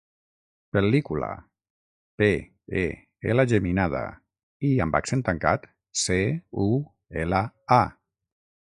Pel·lícula: pe, e, ela geminada, i amb accent tancat, ce, u, ela, a.